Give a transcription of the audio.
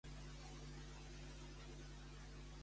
Quina mesura ha pres el Tribunal amb Sànchez?